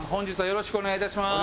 よろしくお願いします。